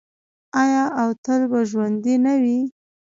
آیا او تل به ژوندی نه وي؟